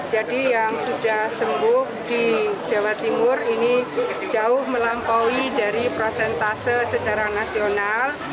jadi yang sudah sembuh di jawa timur ini jauh melampaui dari prosentase secara nasional